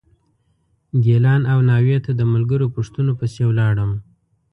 ګیلان او ناوې ته د ملګرو پوښتنو پسې ولاړم.